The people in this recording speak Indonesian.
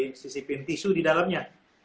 lebih bagus di sisi pintu tisu di dalamnya